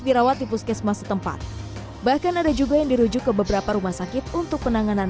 dirawat di puskesmas setempat bahkan ada juga yang dirujuk ke beberapa rumah sakit untuk penanganan